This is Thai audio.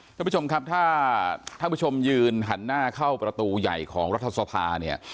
ท่านผู้ชมครับถ้าท่านผู้ชมยืนหันหน้าเข้าประตูใหญ่ของรัฐสภาเนี่ย